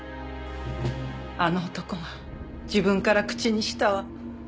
あの男は自分から口にしたわ。